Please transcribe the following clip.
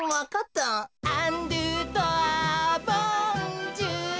「アンドゥトロワボンジュール」